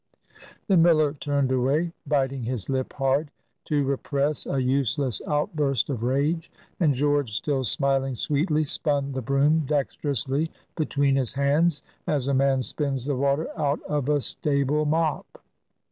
The miller turned away, biting his lip hard, to repress a useless outburst of rage, and George, still smiling sweetly, spun the broom dexterously between his hands, as a man spins the water out of a stable mop.